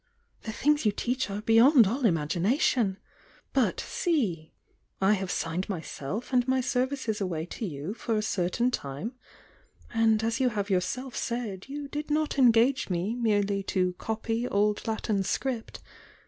"The things you teach are beyond all imagination I But seel— I have signed myself and my services away to you for a certain time, and as you have yourself said, you did not engage me merely to copy old Latin script.